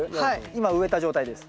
今植えた状態です。